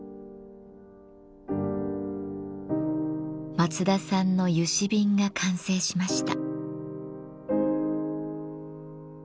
松田さんの嘉瓶が完成しました。